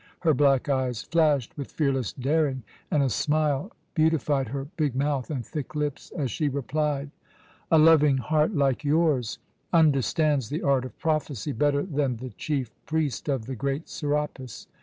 Her black eyes flashed with fearless daring, and a smile beautified her big mouth and thick lips as she replied: "A loving heart like yours understands the art of prophecy better than the chief priest of the great Serapis.